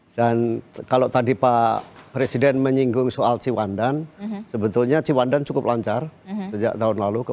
dan kalau tadi pak presiden menyinggung soal ciwandan sebetulnya ciwandan cukup lancar sejak tahun lalu